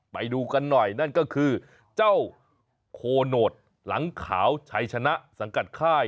ไปดูกันหน่อยนั่นก็คือเจ้าโคโนตหลังขาวชัยชนะสังกัดค่าย